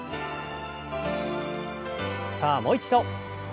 さあもう一度。